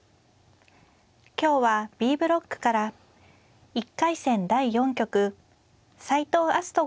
今日はＢブロックから１回戦第４局斎藤明日斗